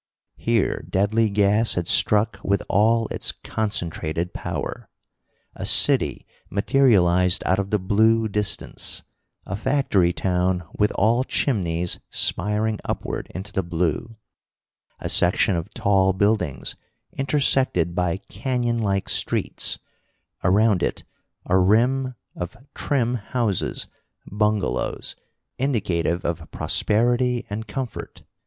Here deadly gas had struck with all its concentrated power. A city materialized out of the blue distance, a factory town with all chimneys spiring upward into the blue, a section of tall buildings intersected by canyonlike streets, around it a rim of trim houses, bungalows, indicative of prosperity and comfort.